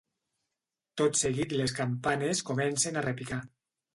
Tot seguit les campanes comencen a repicar.